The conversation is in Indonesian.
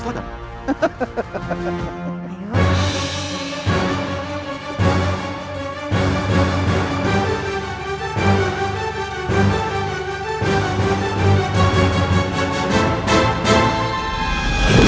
kemudian karena pongsi